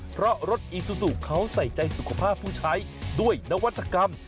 เพราะรถอีซูซูเขาใส่ใจสุขภาพผู้ใช้ด้วยนวัตกรรม